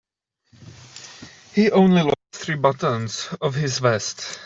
He only lost three buttons off his vest.